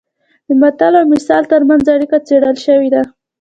د متل او مثل ترمنځ اړیکه څېړل شوې ده